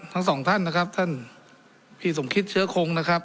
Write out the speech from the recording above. ทั้งสองท่านนะครับท่านพี่สมคิดเชื้อคงนะครับ